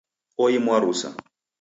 Oimwa rusa.